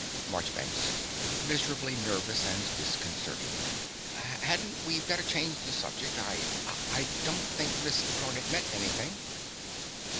MARCHBANKS (miserably nervous and disconcerted). Hadn't we better change the subject. I I don't think Miss Garnett meant anything.